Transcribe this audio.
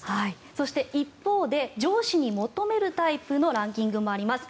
そして一方で上司に求めるタイプのランキングもあります。